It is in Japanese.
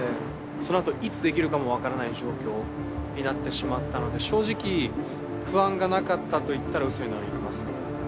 そのあといつできるかも分からない状況になってしまったので正直不安がなかったと言ったらうそになりますね。